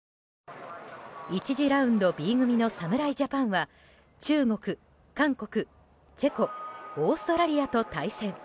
１次ラウンドＢ組の侍ジャパンは中国、韓国、チェコオーストラリアと対戦。